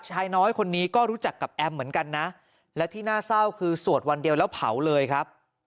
ชายน้อยคนนี้ก็รู้จักกับแอมเหมือนกันนะและที่น่าเศร้าคือสวดวันเดียวแล้วเผาเลยครับ